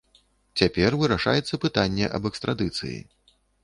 Цяпер вырашаецца пытанне аб экстрадыцыі.